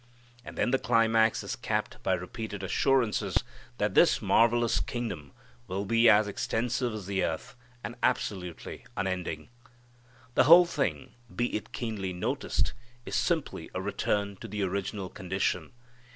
And then the climax is capped by repeated assurances that this marvellous kingdom will be as extensive as the earth and absolutely unending. The whole thing, be it keenly noticed, is simply a return to the original condition.